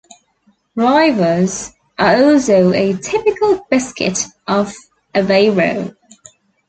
"Raivas" are also a typical biscuit of Aveiro.